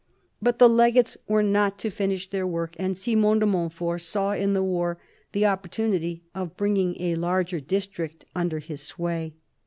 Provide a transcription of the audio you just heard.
But the legates were not to finish their work, and Simon de Montfort saw in the war the opportunity of bringing a larger district under his sway.